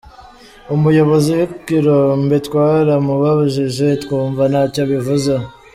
Umuyobozi w’ikirombe twaramubajije twumva ntacyo abivuzeho.